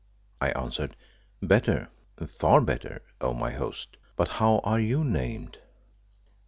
I answered, "Better. Far better, oh, my host but how are you named?"